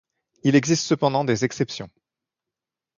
Il existe cependant des exceptions.